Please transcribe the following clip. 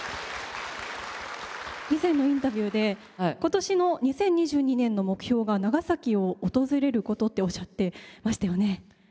以前のインタビューで今年の２０２２年の目標が長崎を訪れることっておっしゃってましたよね。